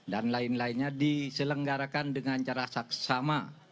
dan lain lainnya diselenggarakan dengan cara saksama